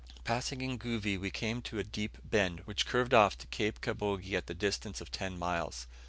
Passing Ngovi, we came to a deep bend, which curved off to Cape Kabogi at the distance of ten miles.